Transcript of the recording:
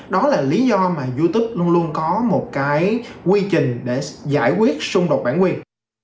đó là lý do mà youtube luôn luôn có một cái quy trình để giải quyết xung đột bản quyền